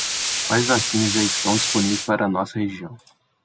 Quais vacinas já estão disponíveis para a nossa região?